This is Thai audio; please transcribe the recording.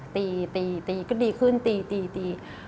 ตีก็ดีขึ้นตี